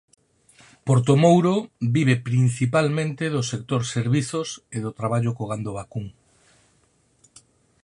Portomouro vive principalmente do sector servizos e do traballo co gando vacún.